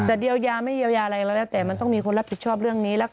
แต่เดียวยาไม่เยียวยาอะไรแล้วแล้วแต่มันต้องมีคนรับผิดชอบเรื่องนี้แล้วกัน